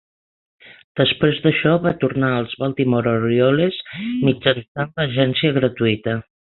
Després d'això, va tornar als Baltimore Orioles mitjançant l'agència gratuïta.